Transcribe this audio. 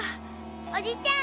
おじちゃん！